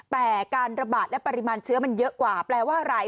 แต่การระบาดและปริมาณเชื้อมันเยอะกว่าแปลว่าอะไร